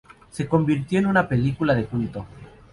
Se convirtió en una película de culto.